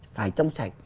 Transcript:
phải trong sạch